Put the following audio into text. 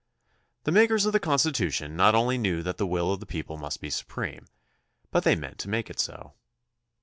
The makers of the Constitution not only knew that the will of the people must be supreme, but they meant to make it so.